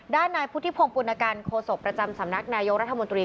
นายพุทธิพงศ์ปุณกันโคศกประจำสำนักนายกรัฐมนตรี